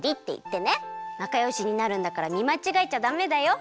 なかよしになるんだからみまちがえちゃダメだよ。